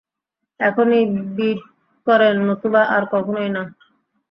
এখনি বিড করেন নতুবা আর কখনোই না।